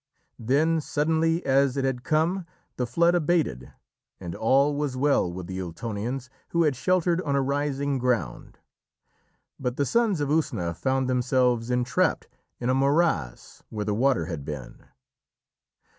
Then suddenly as it had come, the flood abated, and all was well with the Ultonians who had sheltered on a rising ground. But the Sons of Usna found themselves entrapped in a morass where the water had been.